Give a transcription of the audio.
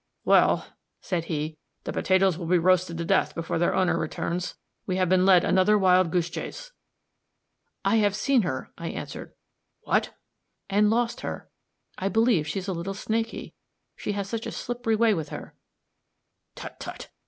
"Well," said he, "the potatoes will be roasted to death before their owner returns. We have been led another wild goose chase." "I have seen her," I answered. "What?" "And lost her. I believe she is a little snaky, she has such a slippery way with her." "Tut! tut!